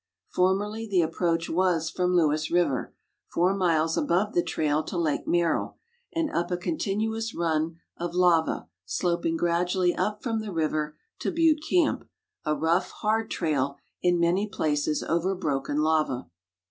Formerly the approach was from Lewis river, four miles above the trail to Lake Merrill, and up a continuous run of lava, sloping gradually up from the river, to Butte camp, a rough, hard trail, in many places over broken lava.